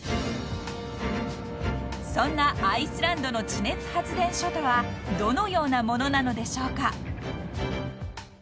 ［そんなアイスランドの地熱発電所とはどのようなものなのでしょうか］